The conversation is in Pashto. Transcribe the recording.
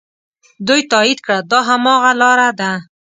دوی تایید کړه دا هماغه لاره ده.